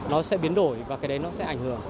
nó sẽ biến đổi và cái đấy nó sẽ ảnh hưởng